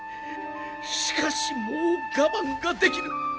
しかしもう我慢ができぬ！